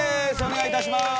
お願いいたします。